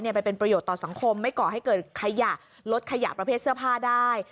ไปเป็นประโยชน์ต่อสังคมไม่ก่อให้เกิดขยะลดขยะประเภทเสื้อผ้าได้